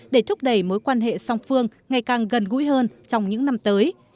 để thúc đẩy mối quan hệ song phương ngày càng gần gũi hơn trong những năm tới